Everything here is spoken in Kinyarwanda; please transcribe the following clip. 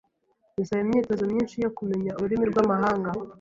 Bisaba imyitozo myinshi yo kumenya ururimi rwamahanga.